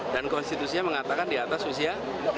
dan konstitusinya mengatakan di atas usia empat puluh